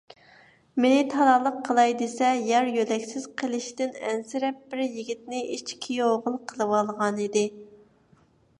مېنى تالالىق قىلاي دېسە، يار - يۆلەكسىز قېلىشىدىن ئەنسىرەپ، بىر يىگىتنى ئىچ كۈيئوغۇل قىلىۋالغانىدى.